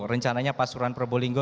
rencananya pasuran probolinggo